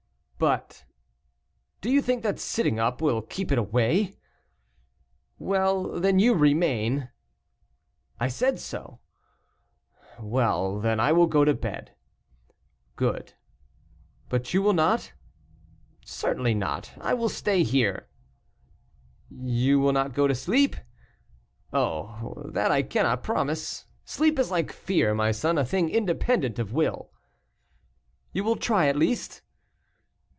"But " "Do you think that sitting up will keep it away?" "Well, then, you remain." "I said so." "Well, then, I will go to bed." "Good." "But you will not?" "Certainly not, I will stay here." "You will not go to sleep?" "Oh, that I cannot promise; sleep is like fear, my son, a thing independent of will." "You will try, at least?"